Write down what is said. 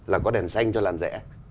là có đèn xanh cho làn rẽ